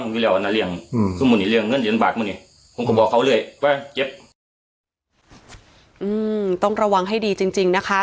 มันลดลงมาอืมต้องระวังให้ดีจริงจริงนะคะ